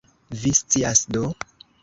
Vi scias do?